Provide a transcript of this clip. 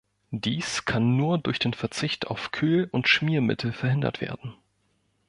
Dies kann nur durch den Verzicht auf Kühl- und Schmiermittel verhindert werden.